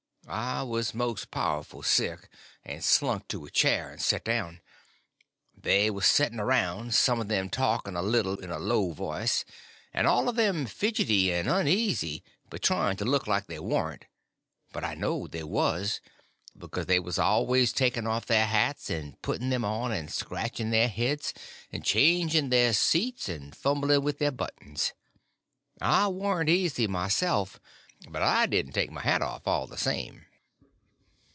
I was most powerful sick, and slunk to a chair and set down. They was setting around, some of them talking a little, in a low voice, and all of them fidgety and uneasy, but trying to look like they warn't; but I knowed they was, because they was always taking off their hats, and putting them on, and scratching their heads, and changing their seats, and fumbling with their buttons. I warn't easy myself, but I didn't take my hat off, all the same.